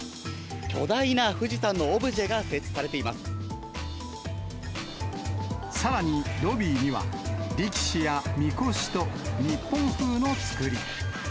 巨大な富士山のオブジェが設さらにロビーには、力士やみこしと、日本風の作り。